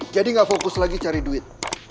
jadi ga fokus lagi cari duit